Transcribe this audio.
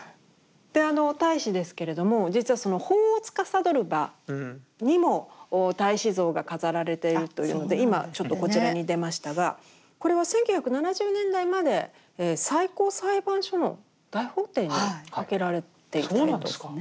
であの太子ですけれども実は法をつかさどる場にも太子像が飾られているというので今ちょっとこちらに出ましたがこれは１９７０年代まで最高裁判所の大法廷に掛けられていたようですね。